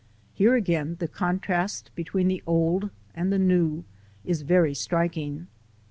Here again the contrast between the old and the new is very striking.